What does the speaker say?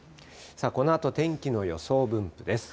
このあと天気の予想分布です。